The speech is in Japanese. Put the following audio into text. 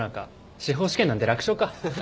司法試験なんて楽勝か。